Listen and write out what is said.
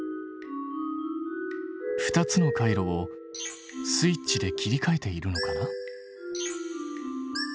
２つの回路をスイッチで切り替えているのかな？